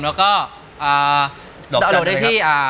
แล้วก็ดอกจันทร์